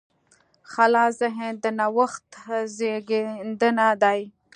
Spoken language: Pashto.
خلاص ذهن د نوښت زېږنده دی.